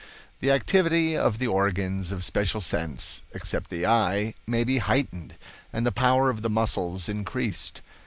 The activity of the organs of special sense, except the eye, may be heightened, and the power of the muscles increased.